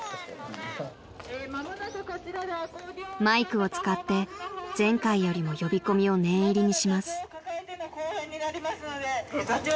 ［マイクを使って前回よりも呼び込みを念入りにします］